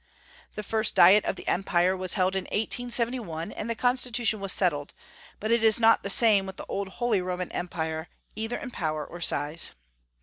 The first diet of the Empire was held in 1871, and the constitutiT^ was settled ; but it is not the same with the old Holy Roman Empire, either in power or size.